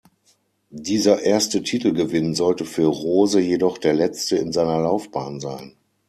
Dieser erste Titelgewinn sollte für Rose jedoch der letzte in seiner Laufbahn sein.